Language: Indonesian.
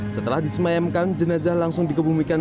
setelah disemayamkan jenazah langsung dikebumikan